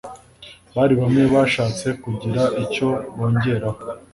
hari bamwe bashatse kugira icyo bongeraho